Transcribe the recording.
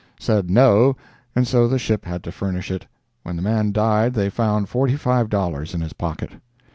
—said 'no,' and so the ship had to furnish it—when the man died they found forty five dollars in his pocket.